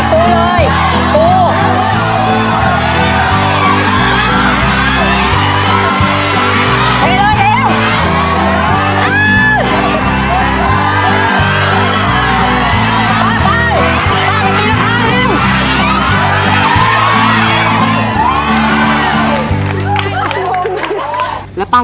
ปูฉีดปูเลยปู